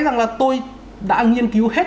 rằng là tôi đã nghiên cứu hết